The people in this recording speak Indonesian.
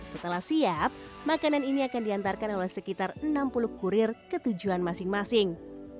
setelah siap makanan ini akan diantarkan oleh sekitar enam puluh kurir ketujuan masing masing